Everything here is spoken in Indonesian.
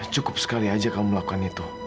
cukup sekali aja kamu melakukan itu